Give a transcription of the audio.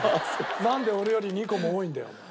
なんで俺より２個も多いんだよお前。